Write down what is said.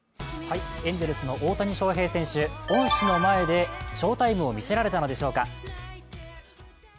エンゼルスの大谷翔平選手、恩師の前で翔タイムを見せられたのでしょうか。